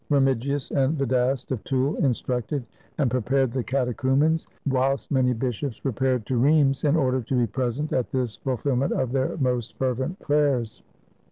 Remigius and Vedast of Toul instructed and prepared the catechumens, whilst many bishops re paired to Rheims in order to be present at this fulfill ment of their most fervent prayers.